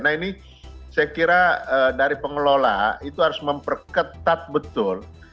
nah ini saya kira dari pengelola itu harus memperketat betul